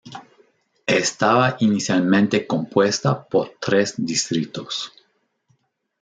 Estaba inicialmente compuesta por tres distritos.